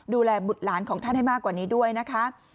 ดูแลบุตรหลานของท่านให้มากกว่านี้ด้วยนะคะ